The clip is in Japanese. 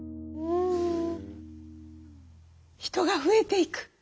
人が増えていく。